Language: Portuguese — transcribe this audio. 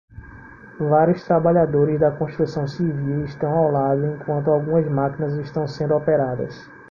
Vários trabalhadores da construção civil estão ao lado enquanto algumas máquinas estão sendo operadas.